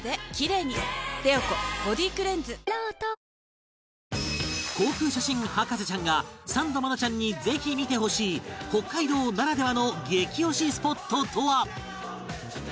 本麒麟航空写真博士ちゃんがサンド愛菜ちゃんにぜひ見てほしい北海道ならではの激推しスポットとは？